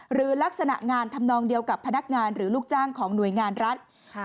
หรือลักษณะงานทำนองเดียวกับพนักงานหรือลูกจ้างของหน่วยงานรัฐ